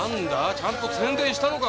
ちゃんと宣伝したのか？